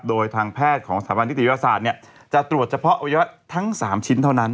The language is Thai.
โดยทางแพทย์ของสถาบันนิติวิทยาศาสตร์จะตรวจเฉพาะอวัยวะทั้ง๓ชิ้นเท่านั้น